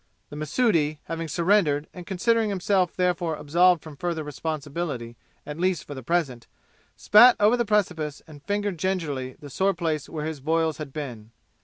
The Mahsudi, having surrendered and considering himself therefore absolved from further responsibility at least for the present, spat over the precipice and fingered gingerly the sore place where his boils had been.